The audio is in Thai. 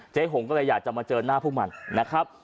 หงก็เลยอยากจะมาเจอหน้าพวกมันนะครับ